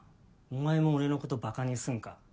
お前も俺のことバカにするんか？